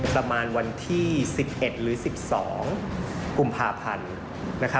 ประมาณวันที่๑๑หรือ๑๒กุมภาพันธ์